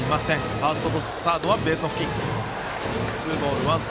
ファースト、サードはベースの付近。